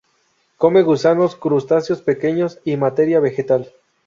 Come gusanos, crustáceo s pequeños y materia vegetal.